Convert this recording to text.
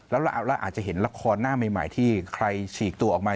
แล้วเราอาจจะเห็นละครหน้าใหม่ที่ใครฉีกตัวออกมา